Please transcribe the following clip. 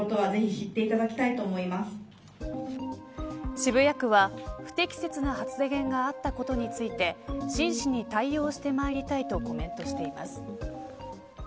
渋谷区は不適切な発言があったことについて真摯に対応してまいりたいとコメントしています。